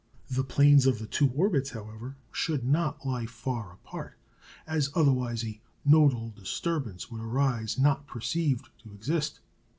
The planes of the two orbits, however, should not lie far apart, as otherwise a nodal disturbance would arise not perceived to exist.